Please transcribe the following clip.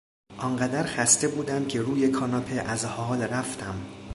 آن قدر خسته بودم که روی کاناپه از حال رفتم.